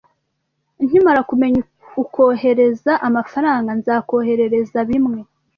Nkimara kumenya ukohereza amafaranga, nzakoherereza bimwe